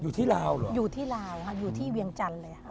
อยู่ที่ลาวเหรออยู่ที่ลาวค่ะอยู่ที่เวียงจันทร์เลยค่ะ